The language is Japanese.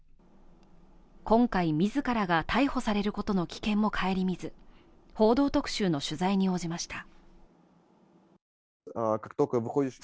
今回、自らが逮捕されることの危険も顧みず「報道特集」の取材に応じました。